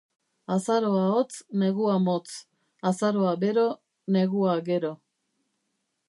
Azaroa hotz, negua motz. Azaroa bero, negua gero.